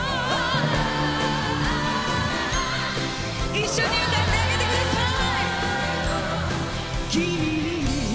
一緒に歌ってあげてください！